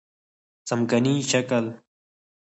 ځمکنی شکل د افغانستان د صادراتو برخه ده.